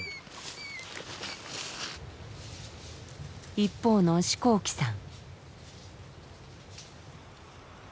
一方の四光記さん。